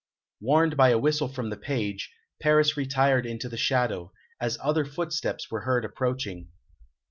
Warned by a whistle from the page, Paris retired into the shadow, as other footsteps were heard approaching.